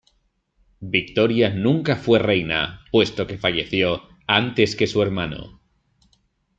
Victoria nunca fue Reina, puesto que falleció antes que su hermano.